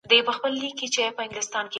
اثر د پښتو معاصر ادب ته ځانګړی شوی دی.